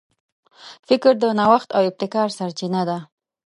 فکر د نوښت او ابتکار سرچینه ده.